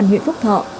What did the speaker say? công an huyện phúc thọ